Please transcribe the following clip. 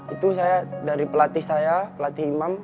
itu saya dari pelatih saya pelatih imam